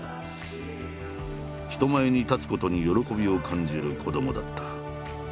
人前に立つことに喜びを感じる子どもだった。